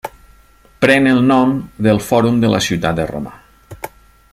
Pren el nom del fòrum de la ciutat de Roma.